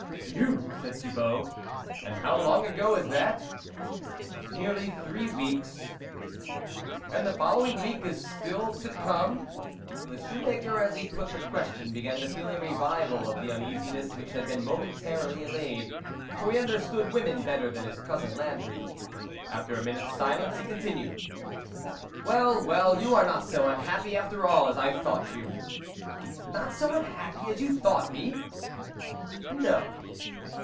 "Phew!" said Thibault, "jmd how long ago is that ?"" Nearly three weeks." " And the following week is still to come ?" The shoemaker as he put the question began to feel a revival of the uneasiness which had been momentarily allayed, for he understood women better than his cousin Landry. After a minute's silence, he continued :" Well, well, you are not so unhappy after all as I thought you." " Not so unhappy as you thought me?" No."